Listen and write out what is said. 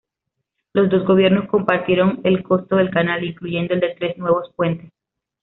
Los dos gobiernos, compartieron el costo del canal, incluyendo el de tres nuevos puentes.